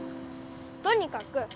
とにかく！